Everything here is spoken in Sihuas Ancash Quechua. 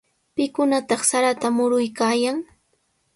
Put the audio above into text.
¿Pikunataq sarata muruykaayan?